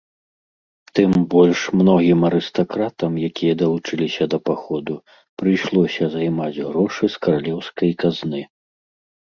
Тым больш, многім арыстакратам, якія далучыліся да паходу, прыйшлося займаць грошы з каралеўскай казны.